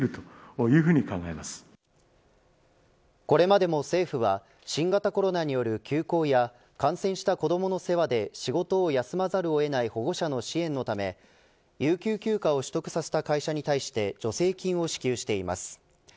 これまでも政府は新型コロナによる休校や感染した子どもの世話で仕事を休まざるをえない保護者の支援のため有給休暇を取得させた会社に対して助成金を支給しています。